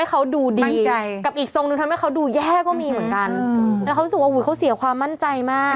แล้วเขามีความรู้สึกว่าเขาเสียว่ามั่นใจมาก